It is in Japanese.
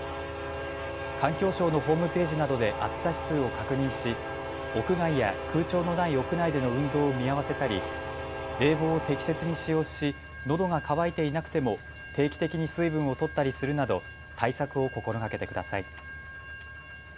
環境省のホームページなどで暑さ指数を確認し屋外や空調のない屋内での運動を見合わせたり冷房を適切に使用しのどが渇いていなくても定期的に水分をとったりするなど対策を心がけてください。